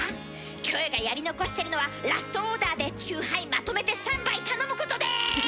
キョエがやり残してるのはラストオーダーでチューハイまとめて３杯頼むことです！